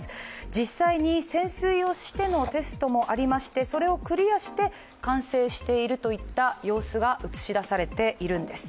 実際に潜水をしてのテストもありまして、それをクリアして、完成しているといった様子が映し出されているんですね。